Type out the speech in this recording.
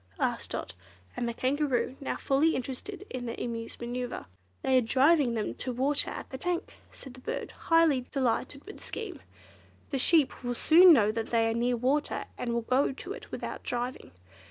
asked Dot and the Kangaroo, now fully interested in the Emu's manoeuvre. "They are driving them to water at the tank," said the bird, highly delighted with the scheme. "The sheep will soon know that they are near water, and will go to it without driving.